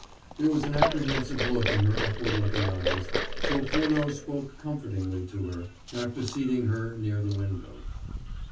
There was an apprehensive look in her upward looking eyes, so Furneaux spoke comfortingly to her, after seating her near the window.